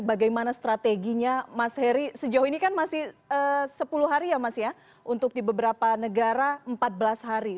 bagaimana strateginya mas heri sejauh ini kan masih sepuluh hari ya mas ya untuk di beberapa negara empat belas hari